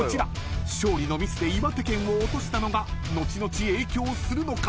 ［勝利のミスで岩手県を落としたのが後々影響するのか？］